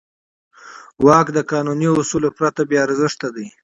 واک د قانوني اصولو پرته بېارزښته دی.